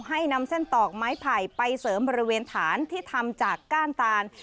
ให้นำเส้นตอกไม้ไผ่ไปเสริมบริเวณฐานที่ทำจากก้านตาน